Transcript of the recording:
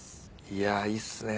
いやいいっすね